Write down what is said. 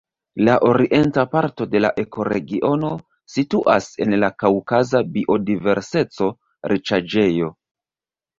La orienta parto de la ekoregiono situas en la kaŭkaza biodiverseco-riĉaĵejo.